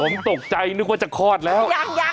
ผมตกใจนึกว่าจะคลอดแล้ว